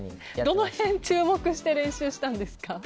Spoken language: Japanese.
どの辺注目して練習したんですか？